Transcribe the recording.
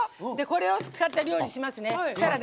これを使って料理しますね。